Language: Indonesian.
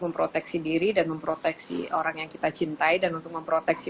memproteksi diri dan memproteksi orang yang kita cintai dan untuk memproteksi